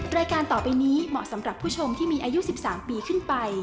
รายการต่อไปนี้เหมาะสำหรับผู้ชมที่มีอายุ๑๓ปีขึ้นไป